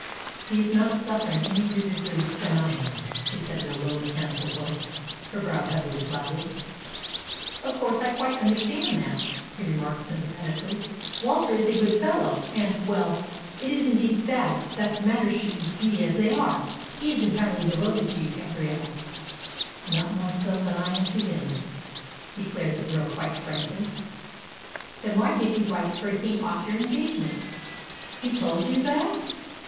"He is not suffering any greater grief than I am," she said in a low, mechanical voice, her brow heavily clouded. "Of course I can quite understand that," he remarked sympathetically. "Walter is a good fellow, and well, it is indeed sad that matters should be as they are. He is entirely devoted to you, Gabrielle." "Not more so than I am to him," declared the girl quite frankly. "Then why did you write breaking off your engagement?" "He told you that?"